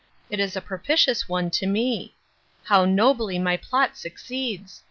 —It is a propitious one to me! How nobly my plot succeeds!